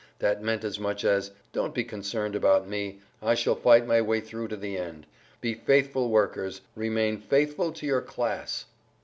That meant as much as, 'Don't be concerned about me; I shall fight my way through to the end. Be faithful workers; remain faithful to your class!'"